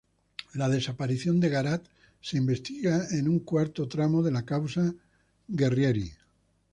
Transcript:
La desaparición de Garat se investiga en un cuarto tramo de la causa "Guerrieri".